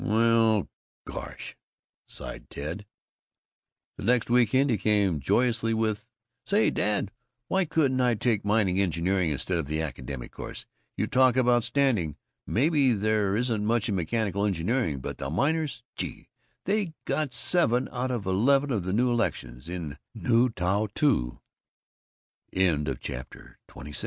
"Well gosh," sighed Ted. The next week end he came in joyously with, "Say, Dad, why couldn't I take mining engineering instead of the academic course? You talk about standing maybe there isn't much in mechanical engineering, but the Miners, gee, they got seven out of eleven in the new elections